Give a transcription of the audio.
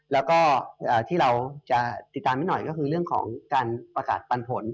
แล้วก็ที่เราจะติดตามให้หน่อยก็คือเรื่องของการประกาศปันผล